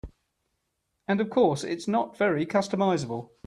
And of course, it's not very customizable.